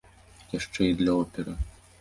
Яшчэ і для оперы!